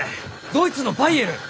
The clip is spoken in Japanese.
ドイツのバイエルン！？